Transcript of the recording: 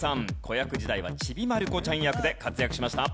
子役時代はちびまる子ちゃん役で活躍しました。